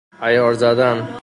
عیار زدن